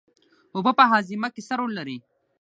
اوبه په هاضمه کې څه رول لري